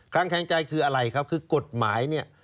คลางแคลงใจคืออะไรครับคือกฎหมาย